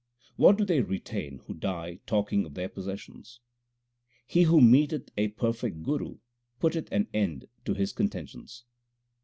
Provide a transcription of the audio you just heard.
What do they retain who die talking of their possessions ? He who meeteth a perfect Guru putteth an end to his contentions.